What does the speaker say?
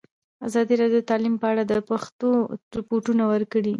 ازادي راډیو د تعلیم په اړه د پېښو رپوټونه ورکړي.